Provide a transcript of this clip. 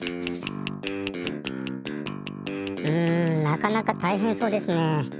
なかなかたいへんそうですねえ。